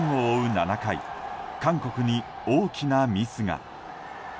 ７回韓国に大きなミスが。